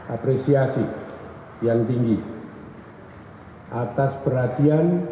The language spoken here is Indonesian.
apresiasi yang tinggi atas perhatian